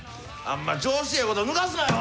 あんま調子ええことぬかすなよ！